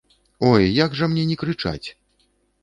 Ой, як жа мне не крычаць?